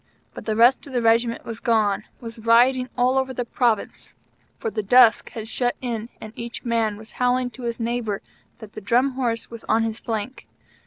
But the rest of the Regiment was gone, was rioting all over the Province, for the dusk had shut in and each man was howling to his neighbor that the Drum Horse was on his flank.